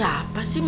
jangan ganggu kami